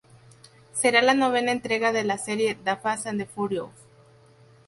Será la novena entrega de la serie "The Fast and the Furious".